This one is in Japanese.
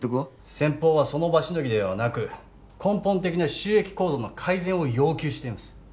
先方はその場しのぎではなく根本的な収益構造の改善を要求しています